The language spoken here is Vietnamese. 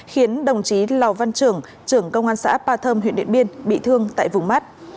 khiến đồng chí lào văn trưởng trưởng công an xã appatham huyện điện biên bị thương tại vùng mắt